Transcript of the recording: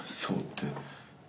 そうって。